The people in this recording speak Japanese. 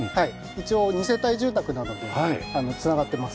一応２世帯住宅なので繋がってます。